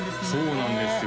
そうなんですよ